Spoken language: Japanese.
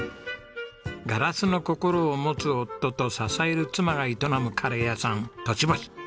ガラスの心を持つ夫と支える妻が営むカレー屋さん栃星。